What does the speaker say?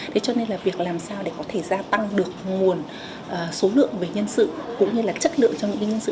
thế cho nên là việc làm sao để có thể gia tăng được nguồn số lượng về nhân sự cũng như là chất lượng cho những nhân sự